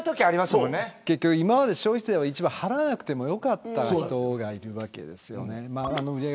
今まで消費税を払わなくても良かった人がいるわけですよね。